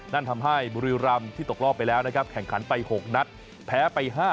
นั่นทำให้บุรีรำที่ตกรอบไปแล้วนะครับแข่งขันไป๖นัดแพ้ไป๕